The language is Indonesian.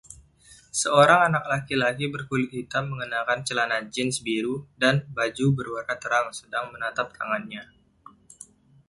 Seorang anak laki-laki berkulit hitam mengenakan celana jins biru dan baju berwarna terang sedang menatap tangannya.